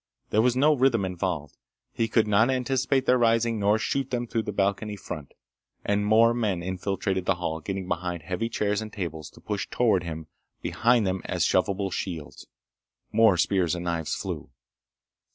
There was no rhythm involved. He could not anticipate their rising, nor shoot them through the balcony front. And more men infiltrated the hall, getting behind heavy chairs and tables, to push toward him behind them as shovable shields. More spears and knives flew.